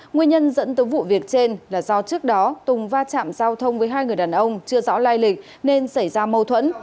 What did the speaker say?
nguyên nhân dẫn tới vụ việc trên là do trước đó tùng va chạm giao thông với hai người đàn ông chưa rõ lai lịch nên xảy ra mâu thuẫn